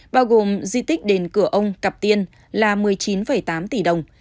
bao gồm di tích đến cửa ông cập tiên là một mươi chín tám tỷ đồng